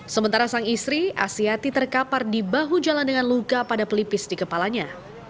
sementara sang istri asyati terkapar di bahu jalan dengan luka pada pelipis di kepalanya